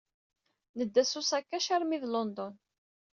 Nedda s usakac armi d London.